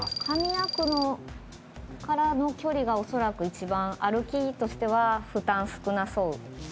上夜久野からの距離がおそらく一番歩きとしては負担少なそう。